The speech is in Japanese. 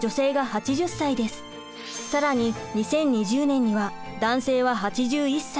更に２０２０年には男性は８１歳。